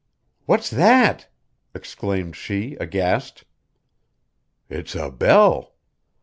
"What's that?" exclaimed she aghast. "It's a bell."